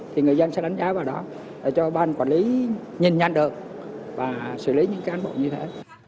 thì người dân sẽ đánh giá vào đó để cho ban quản lý nhìn nhanh được và xử lý những cán bộ như thế